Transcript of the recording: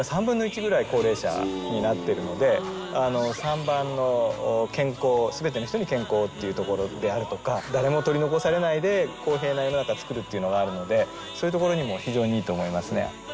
３番の「すべての人に健康」っていうところであるとか誰も取り残されないで公平な世の中つくるっていうのがあるのでそういうところにも非常にいいと思いますね。